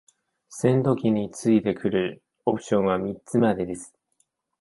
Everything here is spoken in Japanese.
戦闘機に付いてくるオプションは三つまでです。